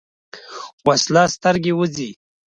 وسله سترګې وځي